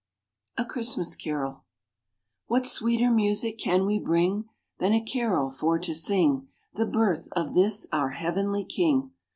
A CHRISTMAS CAROL What sweeter music can we bring Than a carol, for to sing The birth of this our heavenly King?